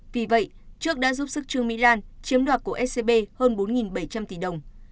vì vậy trước đã giúp sức trương mỹ lan chiếm đoạt của scb hơn bốn bảy trăm linh tỷ đồng